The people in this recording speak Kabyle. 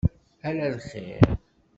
Ala lxir.